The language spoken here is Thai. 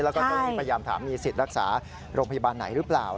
แล้วก็ต้องไปยามถามมีสิทธิ์รักษารักษาโรงพยาบาลไหนหรือเปล่า